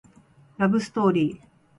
ラブストーリー